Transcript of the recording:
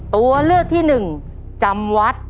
ตัวเลือกที่๑จำวัด